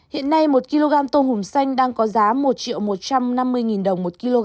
hiện nay một kg tôm hùm xanh đang có giá một triệu một trăm năm mươi đồng một kg